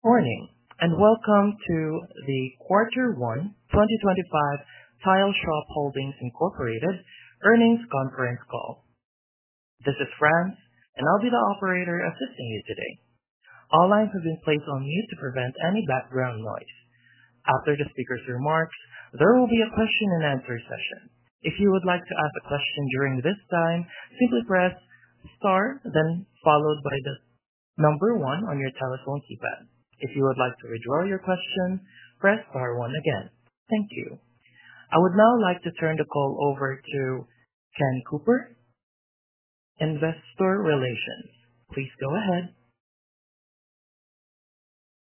Morning, and welcome to the quarter one 2025 Tile Shop Holdings earnings conference call. This is France, and I'll be the operator assisting you today. All lines have been placed on mute to prevent any background noise. After the speaker's remarks, there will be a question-and-answer session. If you would like to ask a question during this time, simply press star, then followed by the number one on your telephone keypad. If you would like to withdraw your question, press star one again. Thank you. I would now like to turn the call over to Ken Cooper, Investor Relations. Please go ahead.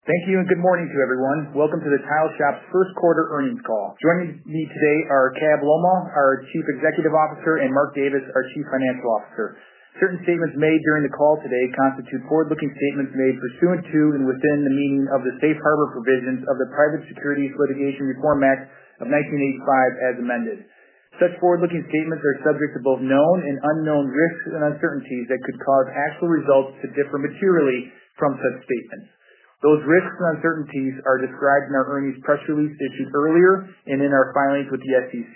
Thank you, and good morning to everyone. Welcome to the Tile Shop's first quarter earnings call. Joining me today are Cabell Lolmaugh, our Chief Executive Officer, and Mark Davis, our Chief Financial Officer. Certain statements made during the call today constitute forward-looking statements made pursuant to and within the meaning of the Safe Harbor Provisions of the Private Securities Litigation Reform Act of 1985 as amended. Such forward-looking statements are subject to both known and unknown risks and uncertainties that could cause actual results to differ materially from such statements. Those risks and uncertainties are described in our earnings press release issued earlier and in our filings with the SEC.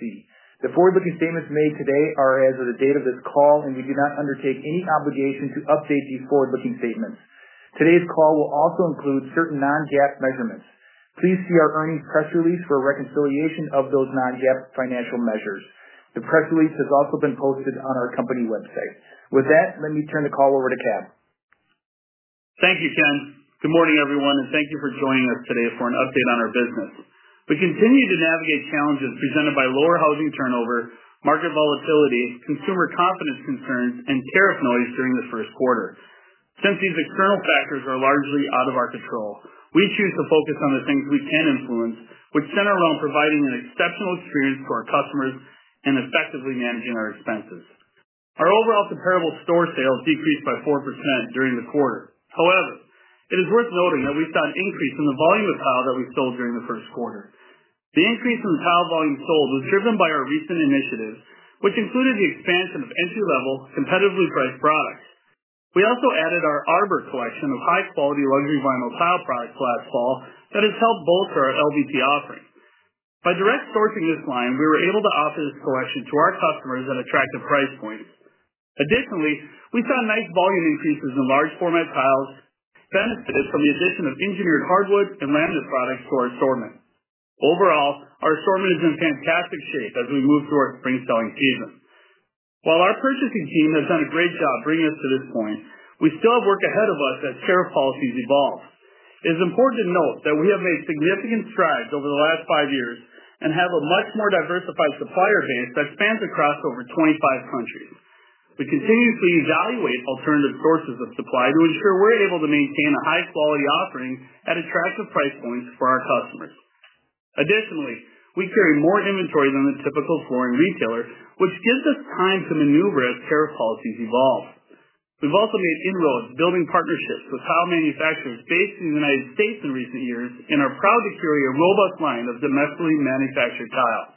The forward-looking statements made today are as of the date of this call, and we do not undertake any obligation to update these forward-looking statements. Today's call will also include certain non-GAAP measurements. Please see our earnings press release for reconciliation of those non-GAAP financial measures. The press release has also been posted on our company website. With that, let me turn the call over to Cabell. Thank you, Ken. Good morning, everyone, and thank you for joining us today for an update on our business. We continue to navigate challenges presented by lower housing turnover, market volatility, consumer confidence concerns, and tariff noise during the first quarter. Since these external factors are largely out of our control, we choose to focus on the things we can influence, which center around providing an exceptional experience to our customers and effectively managing our expenses. Our overall comparable store sales decreased by 4% during the quarter. However, it is worth noting that we saw an increase in the volume of tile that we sold during the first quarter. The increase in the tile volume sold was driven by our recent initiatives, which included the expansion of entry-level, competitively priced products. We also added our Arbor collection of high-quality luxury vinyl tile products last fall that has helped bolster our LVT offering. By direct sourcing this line, we were able to offer this collection to our customers at attractive price points. Additionally, we saw nice volume increases in large-format tiles, benefited from the addition of engineered hardwood and laminate products to our assortment. Overall, our assortment is in fantastic shape as we move through our spring selling season. While our purchasing team has done a great job bringing us to this point, we still have work ahead of us as tariff policies evolve. It is important to note that we have made significant strides over the last five years and have a much more diversified supplier base that spans across over 25 countries. We continuously evaluate alternative sources of supply to ensure we're able to maintain a high-quality offering at attractive price points for our customers. Additionally, we carry more inventory than the typical flooring retailer, which gives us time to maneuver as tariff policies evolve. We've also made inroads, building partnerships with tile manufacturers based in the United States in recent years, and are proud to carry a robust line of domestically manufactured tile.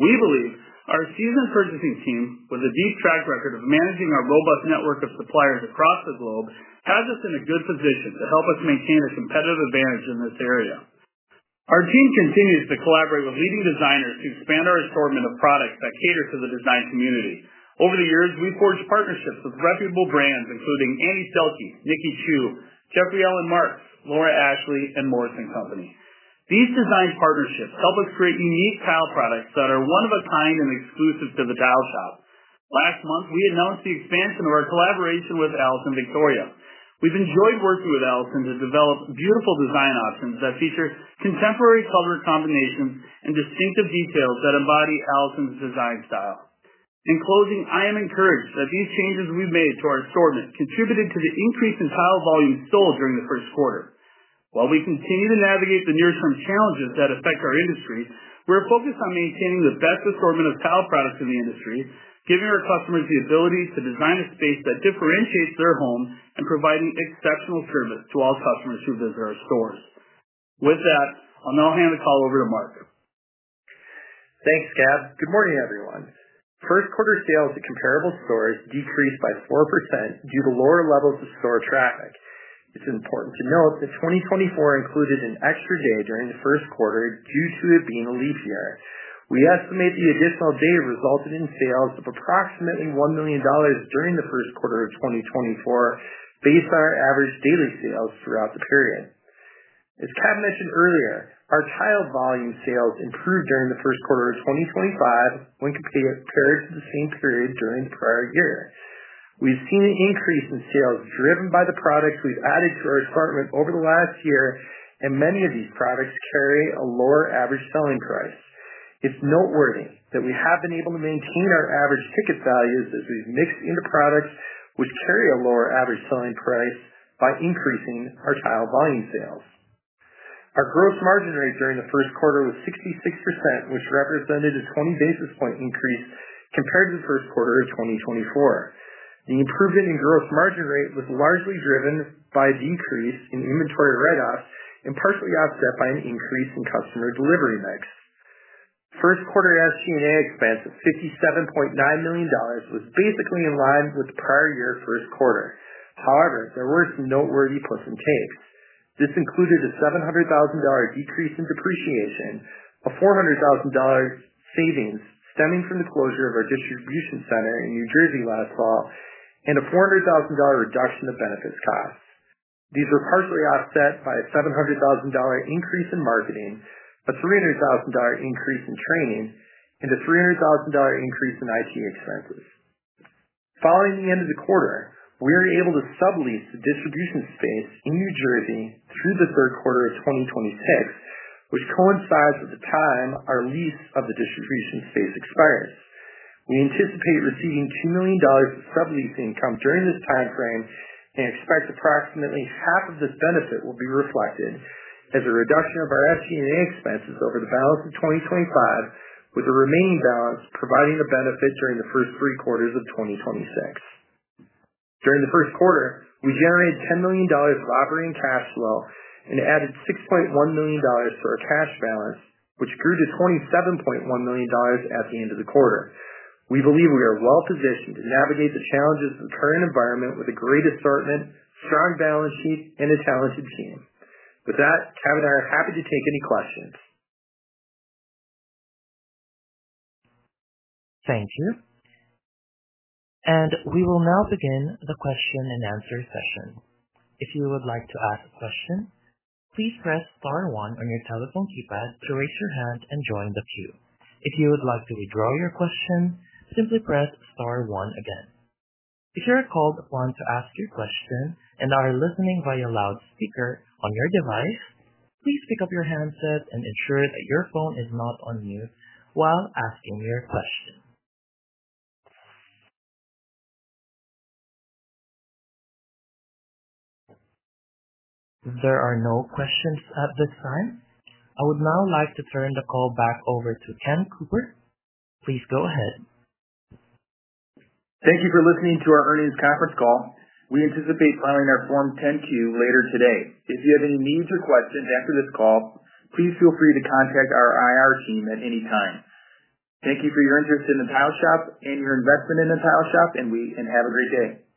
We believe our seasoned purchasing team, with a deep track record of managing our robust network of suppliers across the globe, has us in a good position to help us maintain a competitive advantage in this area. Our team continues to collaborate with leading designers to expand our assortment of products that cater to the design community. Over the years, we've forged partnerships with reputable brands, including Annie Selke, Nicky Chu, Jeffrey Allen Marks, Laura Ashley, and Morrison Company. These design partnerships help us create unique tile products that are one of a kind and exclusive to the Tile Shop. Last month, we announced the expansion of our collaboration with Alison Victoria. We've enjoyed working with Alison to develop beautiful design options that feature contemporary color combinations and distinctive details that embody Alison's design style. In closing, I am encouraged that these changes we've made to our assortment contributed to the increase in tile volume sold during the first quarter. While we continue to navigate the near-term challenges that affect our industry, we're focused on maintaining the best assortment of tile products in the industry, giving our customers the ability to design a space that differentiates their home and providing exceptional service to all customers who visit our stores. With that, I'll now hand the call over to Mark. Thanks, Cabell. Good morning, everyone. First quarter sales at comparable stores decreased by 4% due to lower levels of store traffic. It's important to note that 2024 included an extra day during the first quarter due to it being a leap year. We estimate the additional day resulted in sales of approximately $1 million during the first quarter of 2024, based on our average daily sales throughout the period. As Cabell mentioned earlier, our tile volume sales improved during the first quarter of 2025 when compared to the same period during the prior year. We've seen an increase in sales driven by the products we've added to our assortment over the last year, and many of these products carry a lower average selling price. It's noteworthy that we have been able to maintain our average ticket values as we've mixed into products which carry a lower average selling price by increasing our tile volume sales. Our gross margin rate during the first quarter was 66%, which represented a 20 basis point increase compared to the first quarter of 2024. The improvement in gross margin rate was largely driven by a decrease in inventory write-offs and partially offset by an increase in customer delivery mix. First quarter SG&A expense of $57.9 million was basically in line with the prior year's first quarter. However, there were some noteworthy push and takes. This included a $700,000 decrease in depreciation, a $400,000 savings stemming from the closure of our distribution center in New Jersey last fall, and a $400,000 reduction of benefits costs. These were partially offset by a $700,000 increase in marketing, a $300,000 increase in training, and a $300,000 increase in IT expenses. Following the end of the quarter, we were able to sublease the distribution space in New Jersey through the third quarter of 2026, which coincides with the time our lease of the distribution space expires. We anticipate receiving $2 million of sublease income during this timeframe and expect approximately half of this benefit will be reflected as a reduction of our SG&A expenses over the balance of 2025, with the remaining balance providing the benefit during the first three quarters of 2026. During the first quarter, we generated $10 million of operating cash flow and added $6.1 million to our cash balance, which grew to $27.1 million at the end of the quarter. We believe we are well-positioned to navigate the challenges of the current environment with a great assortment, strong balance sheet, and a talented team. With that, Cab and I are happy to take any questions. Thank you. We will now begin the question and answer session. If you would like to ask a question, please press star one on your telephone keypad to raise your hand and join the queue. If you would like to withdraw your question, simply press star one again. If you're called upon to ask your question and are listening via loudspeaker on your device, please pick up your handset and ensure that your phone is not on mute while asking your question. There are no questions at this time. I would now like to turn the call back over to Ken Cooper. Please go ahead. Thank you for listening to our earnings conference call. We anticipate filing our Form 10-Q later today. If you have any needs or questions after this call, please feel free to contact our IR team at any time. Thank you for your interest in the Tile Shop and your investment in the Tile Shop, and have a great day.